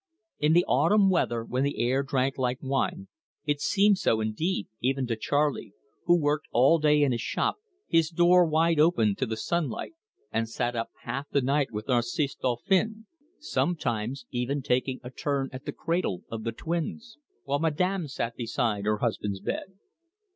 In the autumn weather when the air drank like wine, it seemed so indeed, even to Charley, who worked all day in his shop, his door wide open to the sunlight, and sat up half the night with Narcisse Dauphin, sometimes even taking a turn at the cradle of the twins, while madame sat beside her husband's bed.